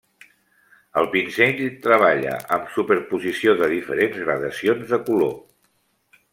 El pinzell treballa amb superposició de diferents gradacions de color.